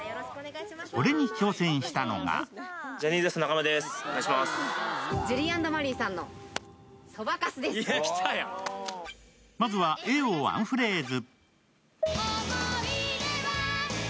これに挑戦したのがまずはＡをワンフレーズ。